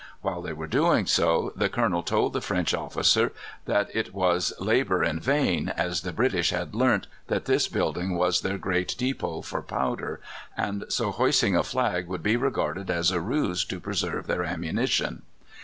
While they were doing so the Colonel told the French officer that it was labour in vain, as the British had learnt that this building was their great depot for powder, and so hoisting a flag would be regarded as a ruse to preserve their ammunition.